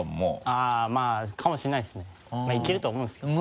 あぁまぁかもしれないですねまぁいけると思うんですけど。